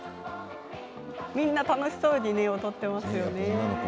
みんな楽しそうに踊っていますよね。